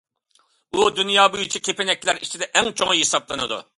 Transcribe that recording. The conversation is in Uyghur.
ئۇ دۇنيا بويىچە كېپىنەكلەر ئىچىدە ئەڭ چوڭى ھېسابلىنىدۇ.